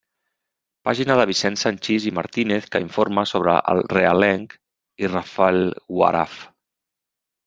Pàgina de Vicent Sanchis i Martínez que informa sobre El Realenc i Rafelguaraf.